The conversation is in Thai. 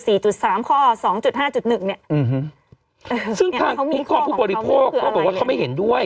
ซึ่งทางผู้บริโภคเขาบอกว่าเขาไม่เห็นด้วย